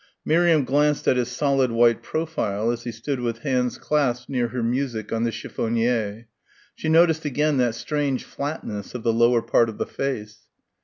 Miriam glanced at his solid white profile as he stood with hands clasped, near her music, on the chiffonier. She noticed again that strange flatness of the lower part of the face.